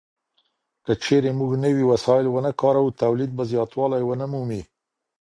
که چيرې موږ نوي وسايل ونه کاروو توليد به زياتوالی ونه مومي.